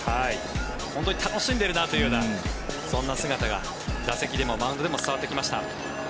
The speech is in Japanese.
本当に楽しんでるなというそんな姿が打席でもマウンドでも伝わってきました。